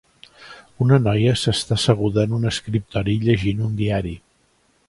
Una noia s'està asseguda en un escriptori llegint un diari.